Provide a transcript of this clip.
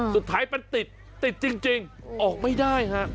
สุดท้ายมันติดติดจริงออกไม่ได้ฮะ